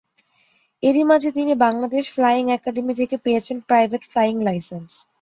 এরই মাঝে তিনি বাংলাদেশ ফ্লায়িং অ্যাকাডেমি থেকে পেয়েছেন প্রাইভেট ফ্লায়িং লাইসেন্স।